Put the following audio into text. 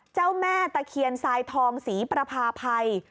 เจ้าแม่ตะเคียนสายทองสีปรภาพัย